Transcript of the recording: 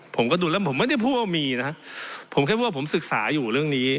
ผมก็ดูแล้วผมไม่ได้พูดว่ามีนะผมแค่พูดว่าผมศึกษาอยู่เรื่องนี้